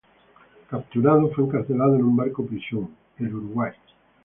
Capturado, fue encarcelado en el barco-prisión "Uruguay".